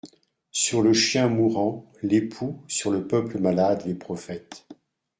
Sur le chien mourant les poux, sur le peuple malade les prophètes.